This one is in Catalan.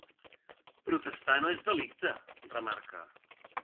Protestar no és delicte, remarca.